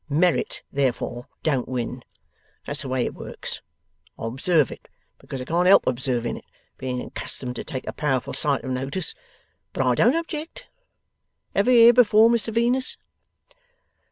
Merit, therefore, don't win. That's the way it works. I observe it, because I can't help observing it, being accustomed to take a powerful sight of notice; but I don't object. Ever here before, Mr Venus?